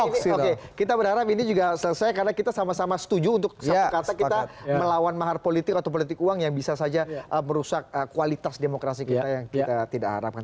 oke kita berharap ini juga selesai karena kita sama sama setuju untuk kata kita melawan mahar politik atau politik uang yang bisa saja merusak kualitas demokrasi kita yang kita tidak harapkan